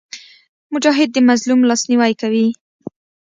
مجاهد د مظلوم لاسنیوی کوي.